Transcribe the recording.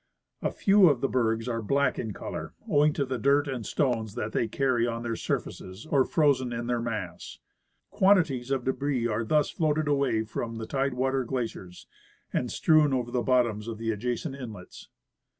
A few of the bergs are black in color, owing to the dirt and stones that they carry on their surfaces or frozen in their mass. Quantities of debris are thus floated away from the tide water glaciers and strewn over the bottoms of the adjacent inlets.